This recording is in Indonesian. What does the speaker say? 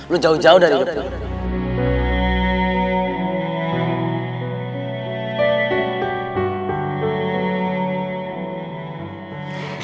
lu jauh jauh dari hotel